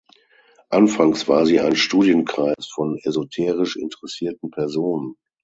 Anfangs war sie ein Studienkreis von esoterisch interessierten Personen.